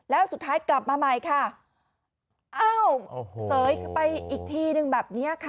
แล้วสุดท้ายกลับมาใหม่ค่ะอ้าวเสยเข้าไปอีกทีนึงแบบนี้ค่ะ